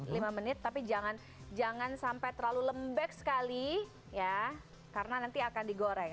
lima menit tapi jangan sampai terlalu lembek sekali ya karena nanti akan digoreng